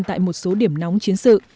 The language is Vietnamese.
tại một số điểm nóng chiến sự